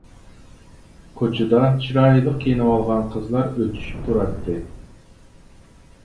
كوچىدا چىرايلىق كىيىنىۋالغان قىزلار ئۆتۈشۈپ تۇراتتى.